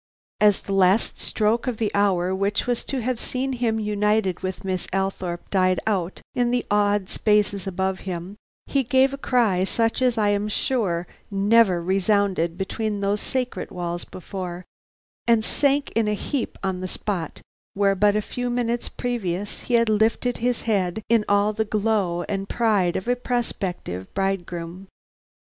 As the last stroke of the hour which was to have seen him united with Miss Althorpe died out in the awed spaces above him, he gave a cry such as I am sure never resounded between those sacred walls before, and sank in a heap on the spot where but a few minutes previous he had lifted his head in all the glow and pride of a prospective bridegroom.